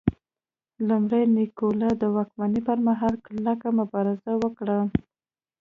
لومړي نیکولای د واکمنۍ پرمهال کلکه مبارزه وکړه.